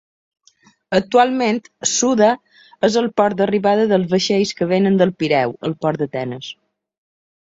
Actualment, Suda és el port d'arribada dels vaixells que vénen del Pireu, el port d'Atenes.